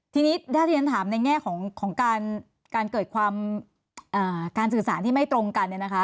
ทีนี้ถ้าทีนั้นถามในแง่ของการเกิดความสื่อสารที่ไม่ตรงกัน